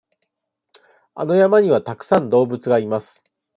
あの山にはたくさん動物がいます。